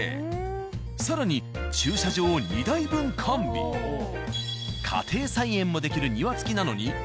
更に駐車場２台分完備家庭菜園もできる庭つきなのに。